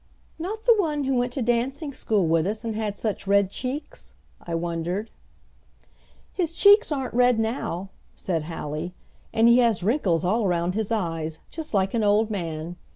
"Not the one who went to dancing school with us, and had such red cheeks?" I wondered. "His cheeks aren't red now," said Hallie; "and he has wrinkles all around his eyes, just like an old man.